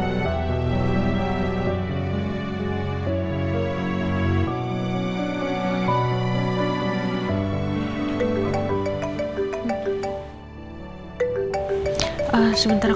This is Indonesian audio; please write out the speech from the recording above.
tahu kok sama dia